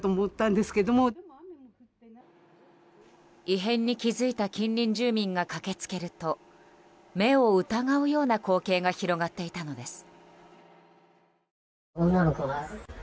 異変に気付いた近隣住民が駆け付けると目を疑うような光景が広がっていたのです。